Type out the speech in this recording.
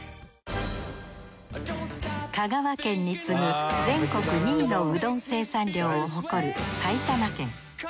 香川県に次ぐ全国２位のうどん生産量を誇る埼玉県。